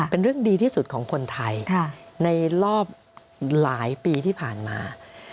เป็นเรื่องดีที่สุดของคนไทยในรอบหลายปีที่ผ่านมา